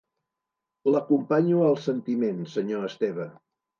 L'acompanyo al sentiment, senyor Esteve.